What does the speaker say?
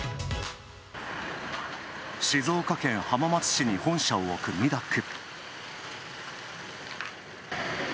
静岡県・浜松市に本社を置くミダック。